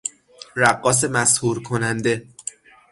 رقاص مسحور کننده